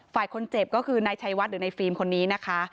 ฝ่ายคนเจ็บก็คือนายชัยวัดหรือในฟิล์มคนนี้นะคะ